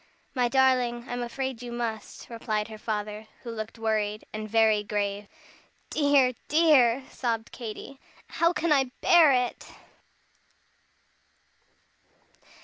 "My darling, I'm afraid you must," replied her father, who looked worried, and very grave. "Dear, dear!" sobbed Katy, "how can I bear it?"